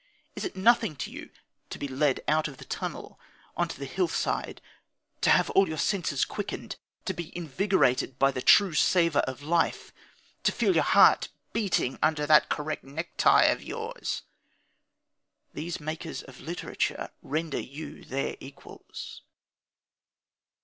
Is it nothing to you to be led out of the tunnel on to the hillside, to have all your senses quickened, to be invigorated by the true savour of life, to feel your heart beating under that correct necktie of yours? These makers of literature render you their equals.